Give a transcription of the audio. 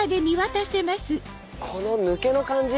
この抜けの感じ